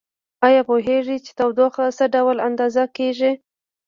ایا پوهیږئ چې تودوخه څه ډول اندازه کیږي؟